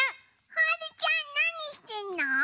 はるちゃんなにしてんの？